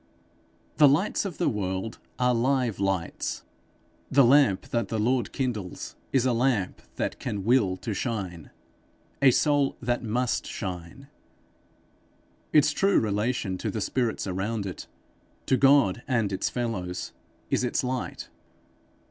The lights of the world are live lights. The lamp that the Lord kindles is a lamp that can will to shine, a soul that must shine. Its true relation to the spirits around it to God and its fellows, is its light.